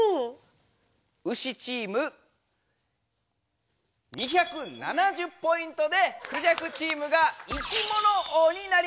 ウシチーム２７０ポイントでクジャクチームがいきもの王になりました！